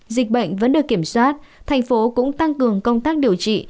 dịch bệnh vẫn được kiểm soát thành phố cũng tăng cường công tác điều trị